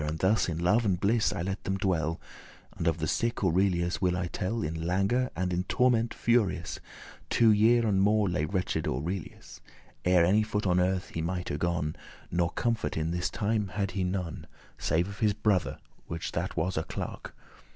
And thus in joy and bliss I let them dwell, And of the sick Aurelius will I tell In languor and in torment furious Two year and more lay wretch'd Aurelius, Ere any foot on earth he mighte gon; Nor comfort in this time had he none, Save of his brother, which that was a clerk.